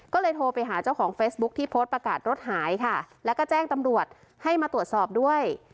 ก็เลยโทรไปหาเจ้าของเฟซบุ๊คที่โพสต์ประกาศรถหายค่ะแล้วก็แจ้งตำรวจให้มาตรวจสอบด้วย